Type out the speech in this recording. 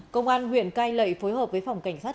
công an huyện cai lệ phối hợp với phòng cảnh sát